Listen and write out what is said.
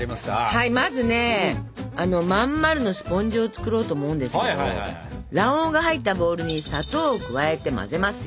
はいまずねまん丸のスポンジを作ろうと思うんですけど卵黄が入ったボウルに砂糖を加えて混ぜますよ。